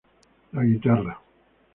La guitarra.